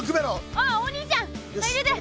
ああお兄ちゃんはい入れて。